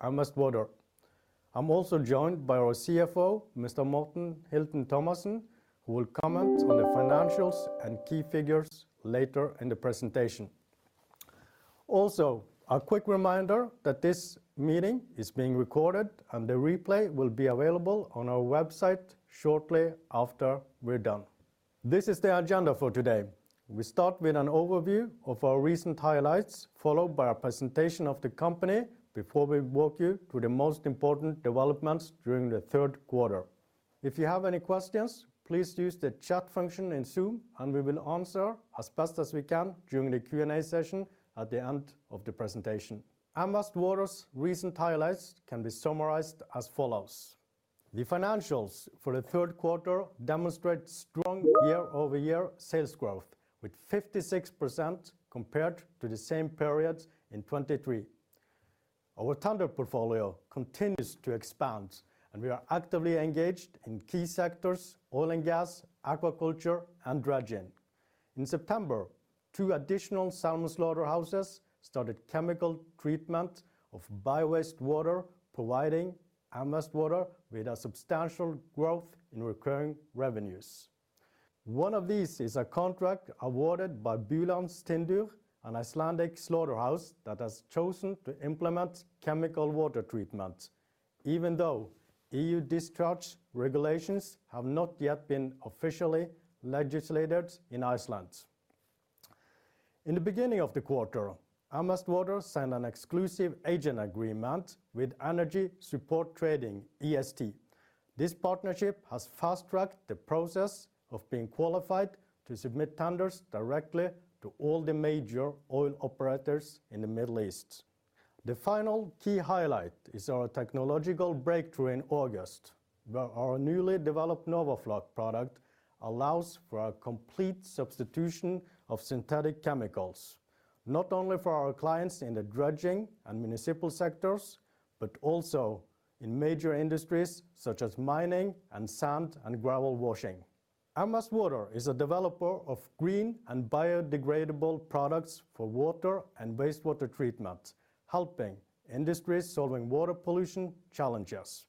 I'm also joined by our CFO, Mr. Morten Hilton Thomassen, who will comment on the financials and key figures later in the presentation. Also, a quick reminder that this meeting is being recorded, and the replay will be available on our website shortly after we're done. This is the agenda for today. We start with an overview of our recent highlights, followed by a presentation of the company before we walk you through the most important developments during the third quarter. If you have any questions, please use the chat function in Zoom, and we will answer as best as we can during the Q&A session at the end of the presentation. M Vest Water's recent highlights can be summarized as follows: The financials for the third quarter demonstrate strong year-over-year sales growth, with 56% compared to the same period in 2023. Our tender portfolio continues to expand, and we are actively engaged in key sectors: oil and gas, aquaculture, and dredging. In September, two additional salmon slaughterhouses started chemical treatment of biowaste water, providing M Vest Water with a substantial growth in recurring revenues. One of these is a contract awarded by Búlandstindur, an Icelandic slaughterhouse that has chosen to implement chemical water treatment, even though EU discharge regulations have not yet been officially legislated in Iceland. In the beginning of the quarter, M Vest Water signed an exclusive agent agreement with Energy Support Trading, EST. This partnership has fast-tracked the process of being qualified to submit tenders directly to all the major oil operators in the Middle East. The final key highlight is our technological breakthrough in August, where our newly developed NORWAFLOC product allows for a complete substitution of synthetic chemicals, not only for our clients in the dredging and municipal sectors, but also in major industries such as mining and sand and gravel washing. M Vest Water is a developer of green and biodegradable products for water and wastewater treatment, helping industries solving water pollution challenges.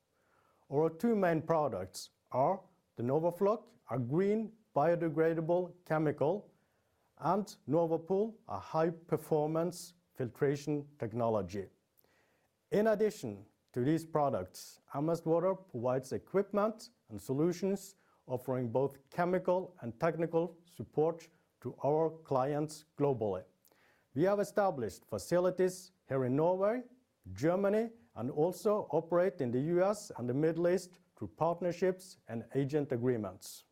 Our two main products are the NORWAFLOC, a green biodegradable chemical, and NORWAPOL, a high-performance filtration technology. In addition to these products, M Vest Water provides equipment and solutions, offering both chemical and technical support to our clients globally. We have established facilities here in Norway, Germany, and also operate in the U.S. and the Middle East through partnerships and agent agreements.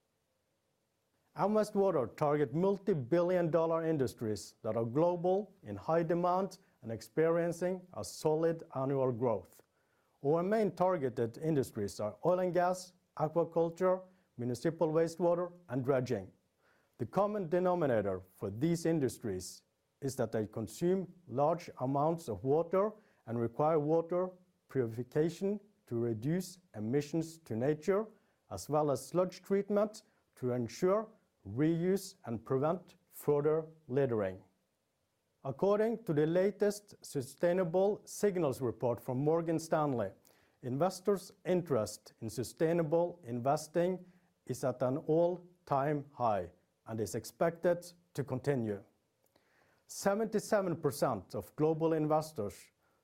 M Vest Water targets multi-billion-dollar industries that are global, in high demand, and experiencing a solid annual growth. Our main targeted industries are oil and gas, aquaculture, municipal wastewater, and dredging. The common denominator for these industries is that they consume large amounts of water and require water purification to reduce emissions to nature, as well as sludge treatment to ensure reuse and prevent further littering. According to the latest Sustainable Signals report from Morgan Stanley, investors' interest in sustainable investing is at an all-time high and is expected to continue. 77% of global investors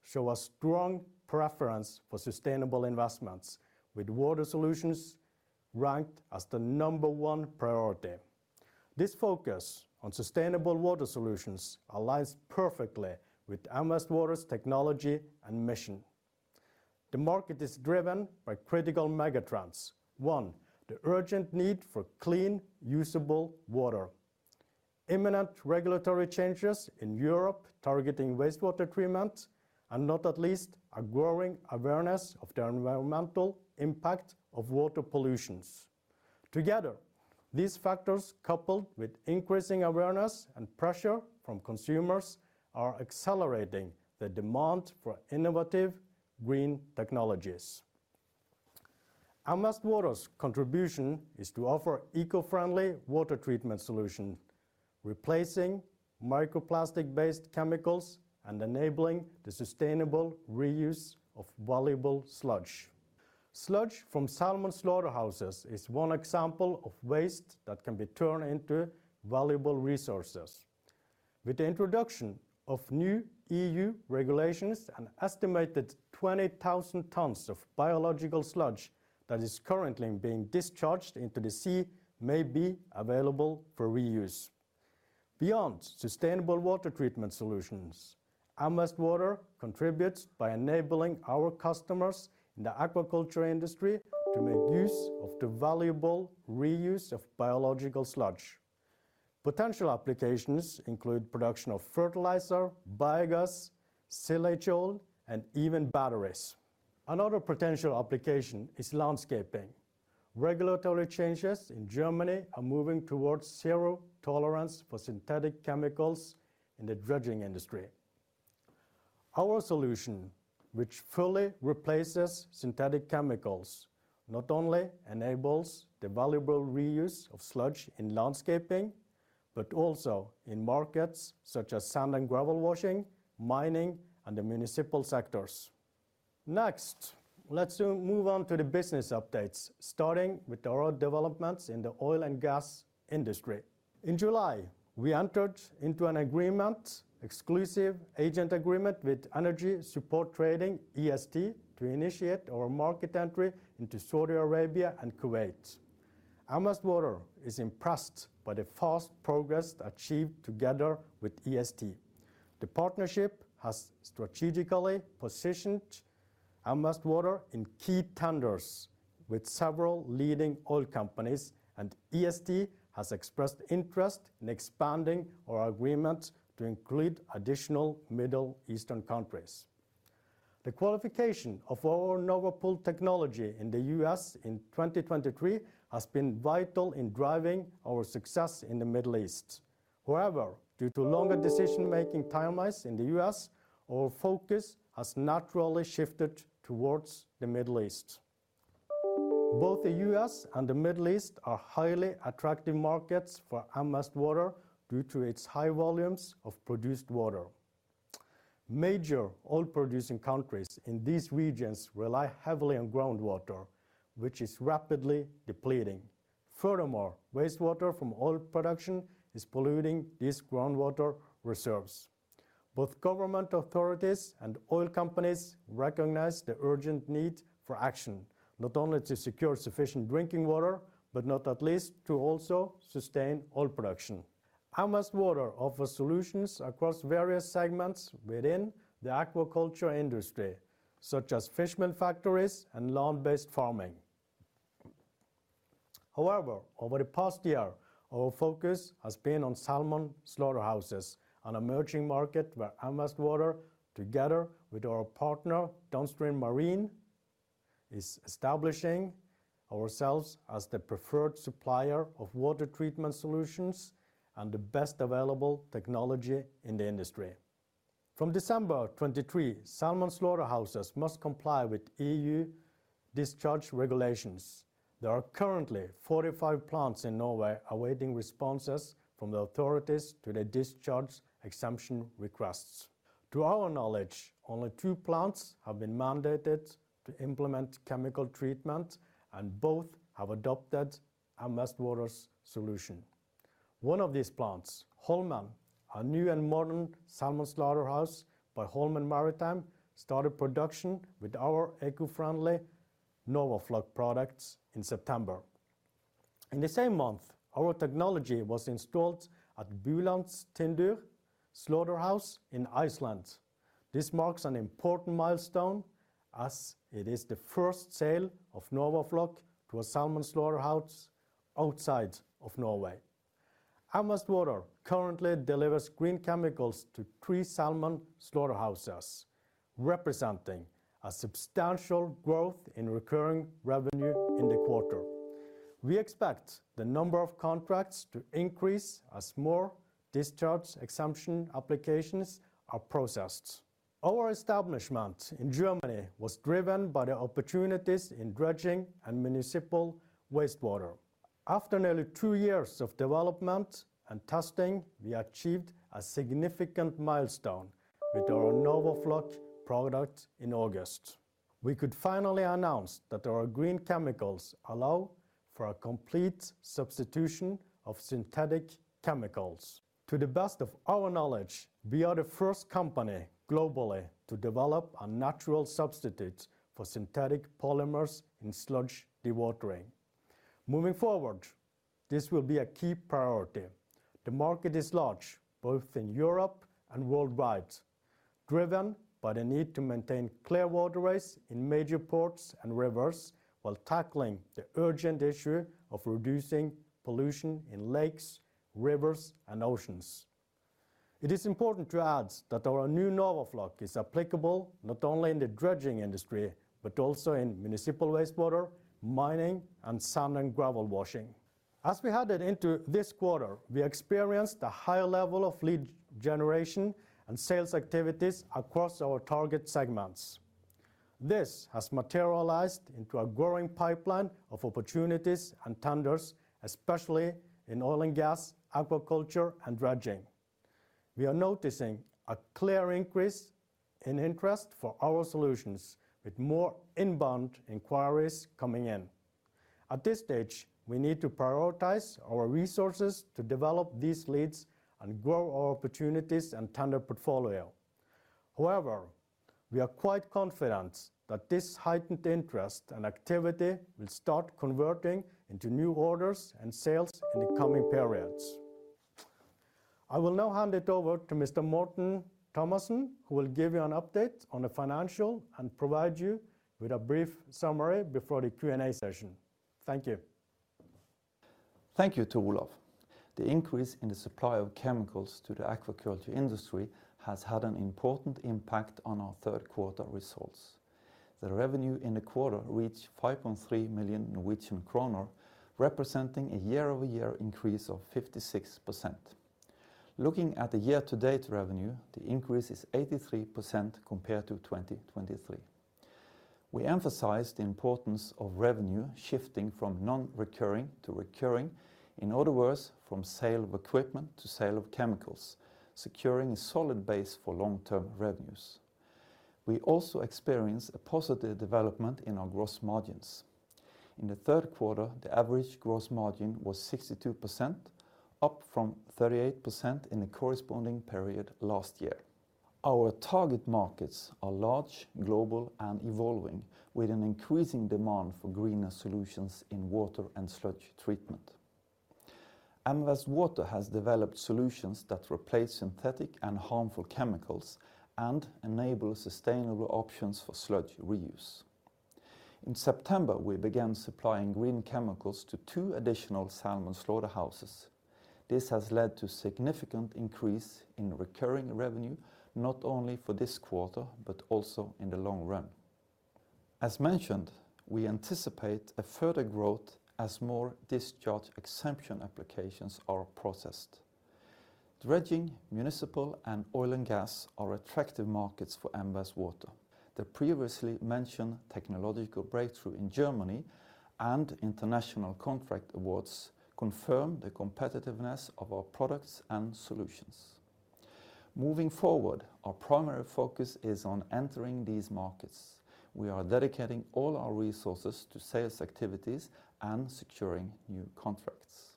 show a strong preference for sustainable investments, with water solutions ranked as the number one priority. This focus on sustainable water solutions aligns perfectly with M Vest Water's technology and mission. The market is driven by critical megatrends: one, the urgent need for clean, usable water; imminent regulatory changes in Europe targeting wastewater treatment; and not the least, a growing awareness of the environmental impact of water pollution. Together, these factors, coupled with increasing awareness and pressure from consumers, are accelerating the demand for innovative green technologies. M Vest Water's contribution is to offer eco-friendly water treatment solutions, replacing microplastic-based chemicals and enabling the sustainable reuse of valuable sludge. Sludge from salmon slaughterhouses is one example of waste that can be turned into valuable resources. With the introduction of new EU regulations, an estimated 20,000 tons of biological sludge that is currently being discharged into the sea may be available for reuse. Beyond sustainable water treatment solutions, M Vest Water contributes by enabling our customers in the aquaculture industry to make use of the valuable reuse of biological sludge. Potential applications include production of fertilizer, biogas, silage oil, and even batteries. Another potential application is landscaping. Regulatory changes in Germany are moving towards zero tolerance for synthetic chemicals in the dredging industry. Our solution, which fully replaces synthetic chemicals, not only enables the valuable reuse of sludge in landscaping, but also in markets such as sand and gravel washing, mining, and the municipal sectors. Next, let's move on to the business updates, starting with our developments in the oil and gas industry. In July, we entered into an agreement, exclusive agent agreement with Energy Support Trading, EST, to initiate our market entry into Saudi Arabia and Kuwait. M Vest Water is impressed by the fast progress achieved together with EST. The partnership has strategically positioned M Vest Water in key tenders with several leading oil companies, and EST has expressed interest in expanding our agreement to include additional Middle Eastern countries. The qualification of our NORWAPOL technology in the U.S. in 2023 has been vital in driving our success in the Middle East. However, due to longer decision-making timelines in the U.S., our focus has naturally shifted towards the Middle East. Both the U.S. and the Middle East are highly attractive markets for M Vest Water due to its high volumes of produced water. Major oil-producing countries in these regions rely heavily on groundwater, which is rapidly depleting. Furthermore, wastewater from oil production is polluting these groundwater reserves. Both government authorities and oil companies recognize the urgent need for action, not only to secure sufficient drinking water, but not the least to also sustain oil production. M Vest Water offers solutions across various segments within the aquaculture industry, such as fishermen factories and land-based farming. However, over the past year, our focus has been on salmon slaughterhouses, an emerging market where M Vest Water, together with our partner Downstream Marine, is establishing ourselves as the preferred supplier of water treatment solutions and the best available technology in the industry. From December 2023, salmon slaughterhouses must comply with EU discharge regulations. There are currently 45 plants in Norway awaiting responses from the authorities to the discharge exemption requests. To our knowledge, only two plants have been mandated to implement chemical treatment, and both have adopted M Vest Water's solution. One of these plants, Holmøy, a new and modern salmon slaughterhouse by Holmøy Maritime, started production with our eco-friendly NORWAFLOC products in September. In the same month, our technology was installed at Búlandstindur slaughterhouse in Iceland. This marks an important milestone, as it is the first sale of NORWAFLOC to a salmon slaughterhouse outside of Norway. Vest Water currently delivers green chemicals to three salmon slaughterhouses, representing a substantial growth in recurring revenue in the quarter. We expect the number of contracts to increase as more discharge exemption applications are processed. Our establishment in Germany was driven by the opportunities in dredging and municipal wastewater. After nearly two years of development and testing, we achieved a significant milestone with our NORWAFLOC product in August. We could finally announce that our green chemicals allow for a complete substitution of synthetic chemicals. To the best of our knowledge, we are the first company globally to develop a natural substitute for synthetic polymers in sludge dewatering. Moving forward, this will be a key priority. The market is large, both in Europe and worldwide, driven by the need to maintain clear waterways in major ports and rivers while tackling the urgent issue of reducing pollution in lakes, rivers, and oceans. It is important to add that our new NORWAFLOC is applicable not only in the dredging industry, but also in municipal wastewater, mining, and sand and gravel washing. As we headed into this quarter, we experienced a higher level of lead generation and sales activities across our target segments. This has materialized into a growing pipeline of opportunities and tenders, especially in oil and gas, aquaculture, and dredging. We are noticing a clear increase in interest for our solutions, with more inbound inquiries coming in. At this stage, we need to prioritize our resources to develop these leads and grow our opportunities and tender portfolio. However, we are quite confident that this heightened interest and activity will start converting into new orders and sales in the coming periods. I will now hand it over to Mr. Morten Thomassen, who will give you an update on the financial and provide you with a brief summary before the Q&A session. Thank you. Thank you, Tor Olav. The increase in the supply of chemicals to the aquaculture industry has had an important impact on our third quarter results. The revenue in the quarter reached 5.3 million Norwegian kroner, representing a year-over-year increase of 56%. Looking at the year-to-date revenue, the increase is 83% compared to 2023. We emphasize the importance of revenue shifting from non-recurring to recurring, in other words, from sale of equipment to sale of chemicals, securing a solid base for long-term revenues. We also experience a positive development in our gross margins. In the third quarter, the average gross margin was 62%, up from 38% in the corresponding period last year. Our target markets are large, global, and evolving, with an increasing demand for greener solutions in water and sludge treatment. M Vest Water has developed solutions that replace synthetic and harmful chemicals and enable sustainable options for sludge reuse. In September, we began supplying green chemicals to two additional salmon slaughterhouses. This has led to a significant increase in recurring revenue, not only for this quarter, but also in the long run. As mentioned, we anticipate a further growth as more discharge exemption applications are processed. Dredging, municipal, and oil and gas are attractive markets for M Vest Water. The previously mentioned technological breakthrough in Germany and international contract awards confirm the competitiveness of our products and solutions. Moving forward, our primary focus is on entering these markets. We are dedicating all our resources to sales activities and securing new contracts.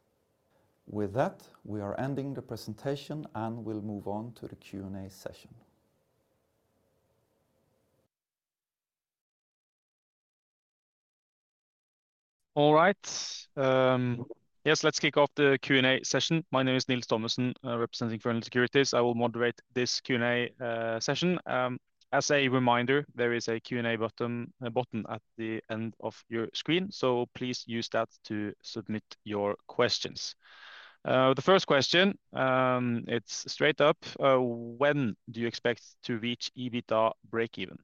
With that, we are ending the presentation and will move on to the Q&A session. All right. Yes, let's kick off the Q&A session. My name is Nils Thomassen, representing Fearnley Securities. I will moderate this Q&A session. As a reminder, there is a Q&A button at the end of your screen, so please use that to submit your questions. The first question, it's straight up. When do you expect to reach EBITDA break-even?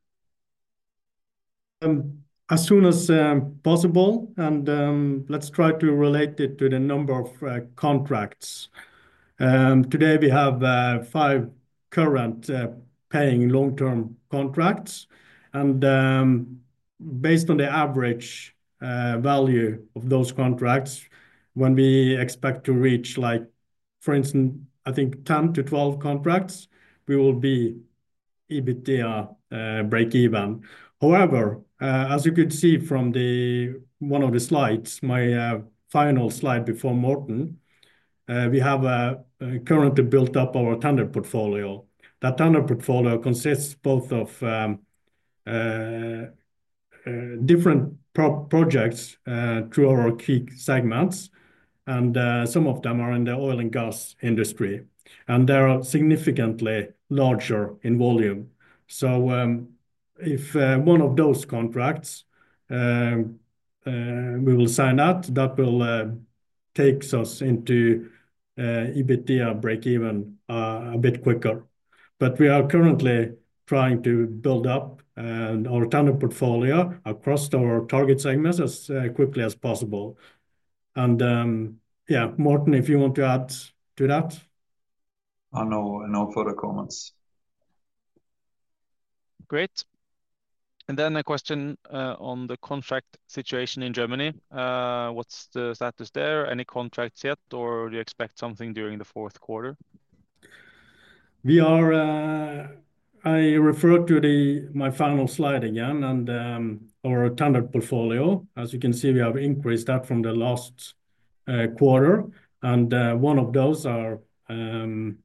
As soon as possible, and let's try to relate it to the number of contracts. Today, we have five current paying long-term contracts, and based on the average value of those contracts, when we expect to reach, for instance, I think 10-12 contracts, we will be EBITDA break-even. However, as you could see from one of the slides, my final slide before Morten, we have currently built up our tender portfolio. That tender portfolio consists both of different projects through our key segments, and some of them are in the oil and gas industry, and they are significantly larger in volume. So if one of those contracts we will sign up, that will take us into EBITDA break-even a bit quicker. But we are currently trying to build up our tender portfolio across our target segments as quickly as possible. And yeah, Morten, if you want to add to that? I have no further comments. Great, and then a question on the contract situation in Germany. What's the status there? Any contracts yet, or do you expect something during the fourth quarter? I referred to my final slide again and our tender portfolio. As you can see, we have increased that from the last quarter, and one of those is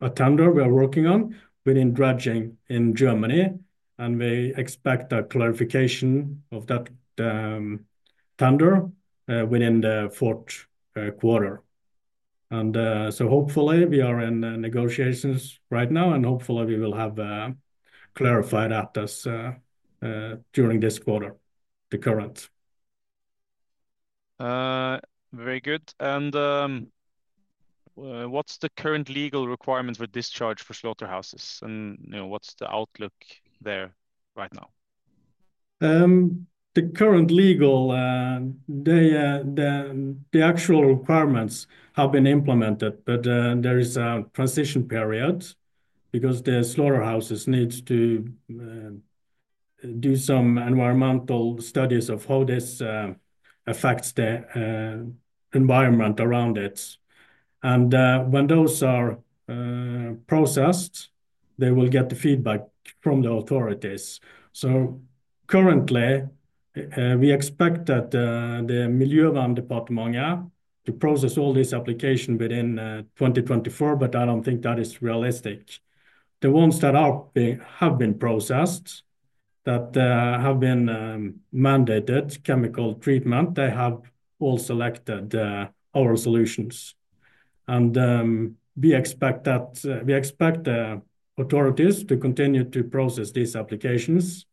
a tender we are working on within dredging in Germany, and we expect a clarification of that tender within the fourth quarter. And so hopefully, we are in negotiations right now, and hopefully, we will have clarified that during this quarter. Very good. And what's the current legal requirements for discharge for slaughterhouses, and what's the outlook there right now? The current legal requirements have been implemented, but there is a transition period because the slaughterhouses need to do some environmental studies of how this affects the environment around it. And when those are processed, they will get the feedback from the authorities. So currently, we expect that the Miljødirektoratet to process all this application within 2024, but I don't think that is realistic. The ones that have been processed that have been mandated chemical treatment, they have all selected our solutions. We expect the authorities to continue to process these applications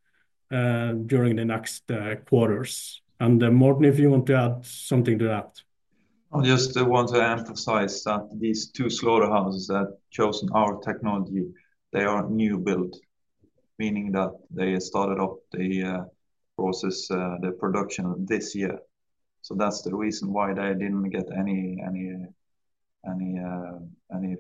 during the next quarters. Morten, if you want to add something to that? I just want to emphasize that these two slaughterhouses that chose our technology, they are new-build, meaning that they started off the process, the production this year. So that's the reason why they didn't get any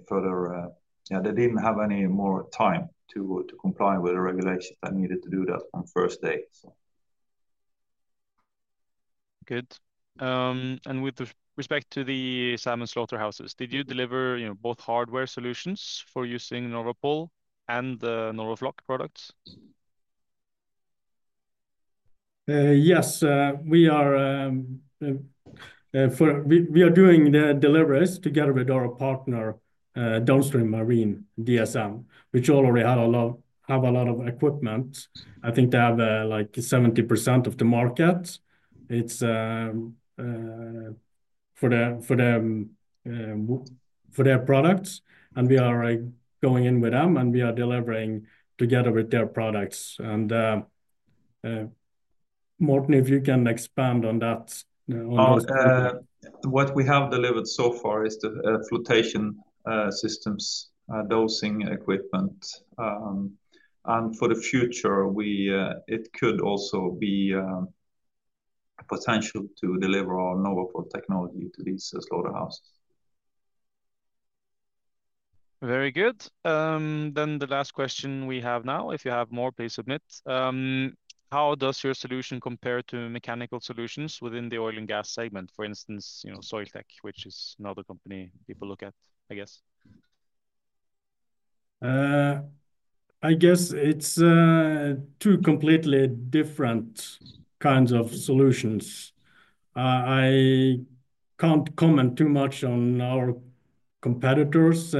further, yeah, they didn't have any more time to comply with the regulations that needed to do that from first date. Good. With respect to the salmon slaughterhouses, did you deliver both hardware solutions for using NORWAPOL and the NORWAFLOC products? Yes, we are doing the deliveries together with our partner Downstream Marine, which already have a lot of equipment. I think they have like 70% of the market for their products, and we are going in with them and we are delivering together with their products. And Morten, if you can expand on that. What we have delivered so far is the flotation systems, dosing equipment, and for the future, it could also be potential to deliver our NORWAPOL technology to these slaughterhouses. Very good. Then the last question we have now, if you have more, please submit. How does your solution compare to mechanical solutions within the oil and gas segment, for instance, Soiltech, which is another company people look at, I guess? I guess it's two completely different kinds of solutions. I can't comment too much on our competitors'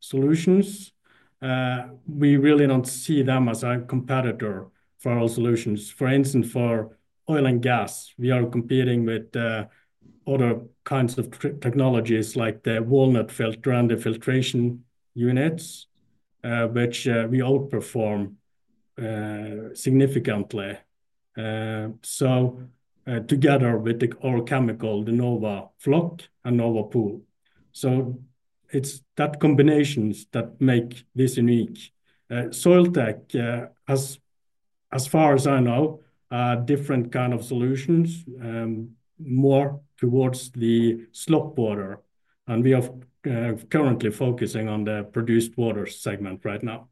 solutions. We really don't see them as a competitor for our solutions. For instance, for oil and gas, we are competing with other kinds of technologies like the walnut shell filter and the filtration units, which we outperform significantly. So together with our chemical, the NORWAFLOC and NORWAPOL. So it's that combination that makes this unique. Soiltech has, as far as I know, different kinds of solutions more towards the slop water, and we are currently focusing on the produced water segment right now.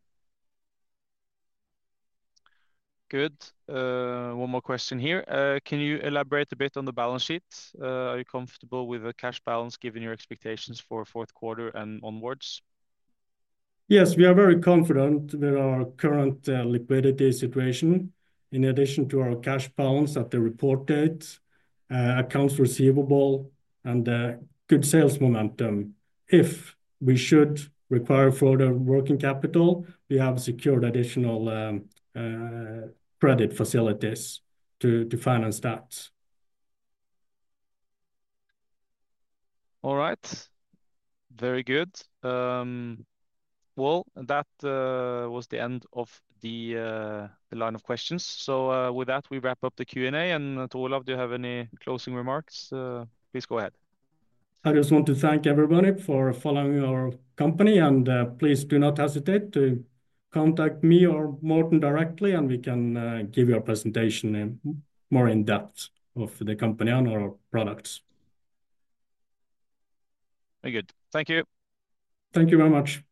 Good. One more question here. Can you elaborate a bit on the balance sheet? Are you comfortable with the cash balance given your expectations for fourth quarter and onwards? Yes, we are very confident with our current liquidity situation, in addition to our cash balance at the report date, accounts receivable, and good sales momentum. If we should require further working capital, we have secured additional credit facilities to finance that. All right. Very good. Well, that was the end of the line of questions. So with that, we wrap up the Q&A, and Tor Olav, do you have any closing remarks? Please go ahead. I just want to thank everybody for following our company, and please do not hesitate to contact me or Morten directly, and we can give you a presentation more in depth of the company and our products. Very good. Thank you. Thank you very much.